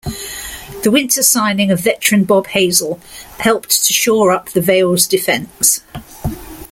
The winter signing of veteran Bob Hazell helped to shore up the Vale's defence.